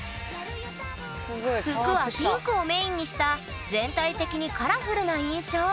服はピンクをメインにした全体的にカラフルな印象